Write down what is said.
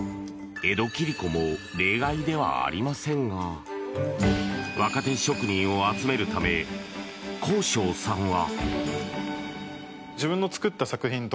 江戸切子も例外ではありませんが若手職人を集めるため幸昇さんは。